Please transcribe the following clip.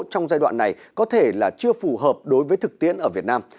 trong giai đoạn này có thể là chưa phù hợp đối với thực tiễn ở việt nam